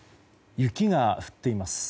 雪が降っています。